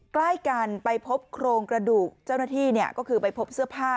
ใกล้กันไปพบโครงกระดูกเจ้าหน้าที่ก็คือไปพบเสื้อผ้า